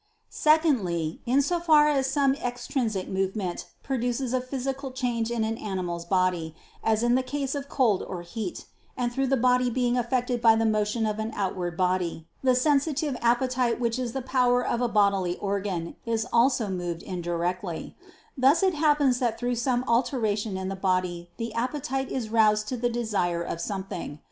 Secondly, in so far as some extrinsic motion produces a physical change in an animal's body, as in the case of cold or heat; and through the body being affected by the motion of an outward body, the sensitive appetite which is the power of a bodily organ, is also moved indirectly; thus it happens that through some alteration in the body the appetite is roused to the desire of something.